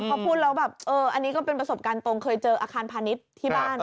พอพูดแล้วแบบเอออันนี้ก็เป็นประสบการณ์ตรงเคยเจออาคารพาณิชย์ที่บ้าน